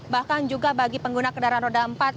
bahkan juga bagi pengguna kendaraan roda empat